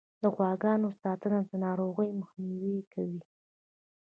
د غواګانو ساتنه د ناروغیو مخنیوی کوي.